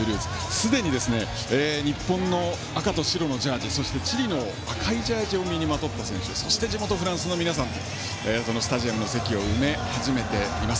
すでに日本の赤と白のジャージそしてチリの赤いジャージを身にまとった選手そして地元・フランスの皆さんもこのスタジアムの席を埋め始めています。